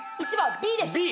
１番。